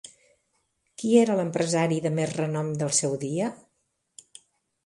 Qui era l'empresari de més renom del seu dia?